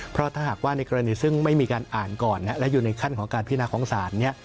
เพราะถ้าหากว่าในกรณีซึ่งไม่มีการอ่านก่อนและอยู่ในขั้นของการพินาของศาล